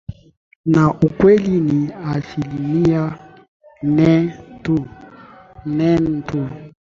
na ukweli ni asilimia nne tu